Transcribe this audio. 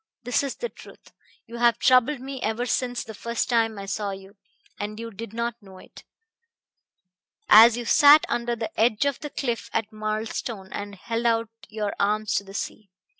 This is the truth. You have troubled me ever since the first time I saw you and you did not know it as you sat under the edge of the cliff at Marlstone and held out your arms to the sea.